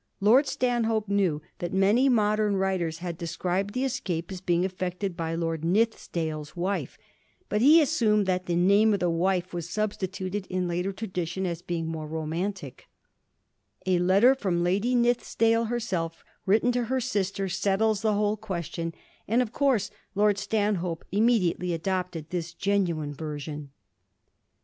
Lord Stanhope knew that many modem writers had described the escape as being effected by Lord Nithisdale's wife, but he assumed that ' the name of the wife was substituted in later tradition as being more romantic' A letter from Lady Nithisdale herself^ written to her sister, settles the whole question, and of course Lord Stan hope immediately adopted this genuine version.